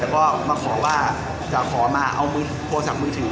แล้วก็มาขอว่าจะขอมาเอาโทรศัพท์มือถือ